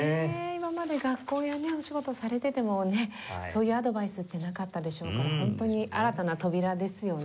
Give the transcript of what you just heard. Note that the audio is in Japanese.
今まで学校やねお仕事されててもねそういうアドバイスってなかったでしょうからホントに新たな扉ですよね。